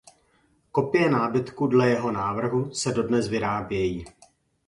Kopie nábytku dle jeho návrhu se dodnes vyrábějí.